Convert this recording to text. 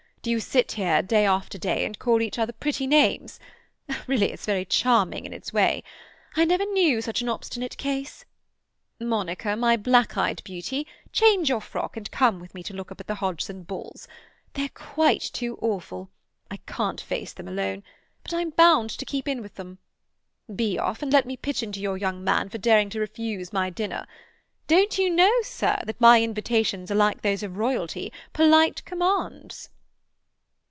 Do you sit here day after day and call each other pretty names? Really it's very charming in its way. I never knew such an obstinate case.—Monica, my black eyed beauty, change your frock, and come with me to look up the Hodgson Bulls. They're quite too awful; I can't face them alone; but I'm bound to keep in with them. Be off, and let me pitch into your young man for daring to refuse my dinner. Don't you know, sir, that my invitations are like those of Royalty—polite commands?"